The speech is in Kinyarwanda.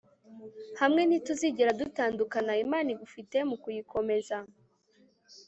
hamwe ntituzigera dutandukana imana igufite mu kuyikomeza